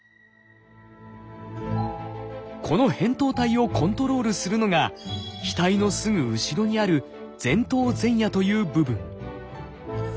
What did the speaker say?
この扁桃体をコントロールするのが額のすぐ後ろにある前頭前野という部分。